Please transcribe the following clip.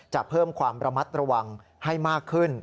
เพิ่มความระมัดระวังให้มากขึ้น